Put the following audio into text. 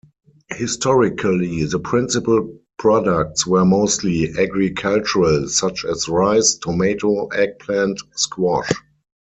Historically, the principal products were mostly agricultural such as rice, tomato, eggplant, squash.